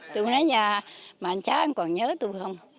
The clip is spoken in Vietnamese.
tôi nói nhà mà anh cháu anh còn nhớ tôi không